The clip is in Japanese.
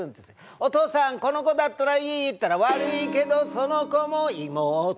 「お父さんこの子だったらいい？」って言ったら「悪いけどその子も妹だ」